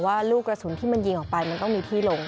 ว่าลูกกระสุนที่มันยิงออกไปมันต้องมีที่ลง